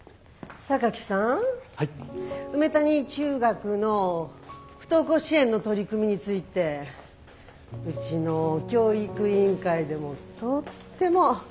梅谷中学の不登校支援の取り組みについてうちの教育委員会でもとっても注目してるんですのよ。